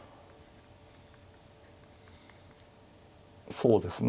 そうですね